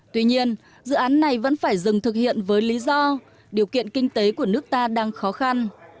tuy nhiên dự án này vẫn phải dừng thực hiện với lý do điều kiện kinh tế của nước ta đang khó khăn